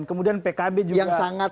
kemudian pkb juga